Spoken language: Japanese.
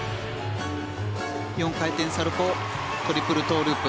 ４回転サルコウトリプルトウループ。